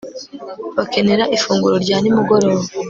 bakenera ifunguro rya nimugoroba